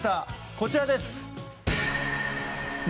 こちらです。